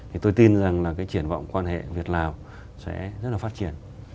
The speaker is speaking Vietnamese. thì tôi tin rằng là cái triển vọng quan hệ việt lào sẽ rất là phát triển